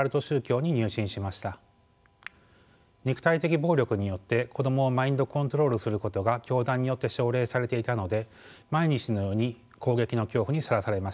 肉体的暴力によって子供をマインドコントロールすることが教団によって奨励されていたので毎日のように攻撃の恐怖にさらされました。